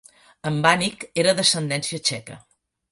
En Vanik era d'ascendència txeca.